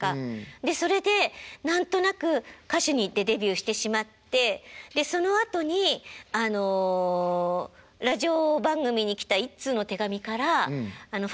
でそれで何となく歌手に行ってデビューしてしまってでそのあとにあのラジオ番組に来た１通の手紙からファンの方の。